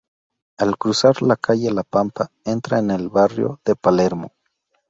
Al cruzar la "calle La Pampa" entra en el barrio de Palermo.